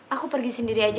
aku pergi sendiri aja